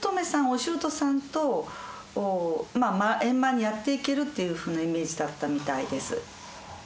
お舅さんと円満にやっていけるっていうふうなイメージだったみたいです